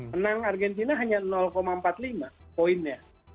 menang argentina hanya empat puluh lima poinnya